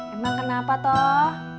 emang kenapa toh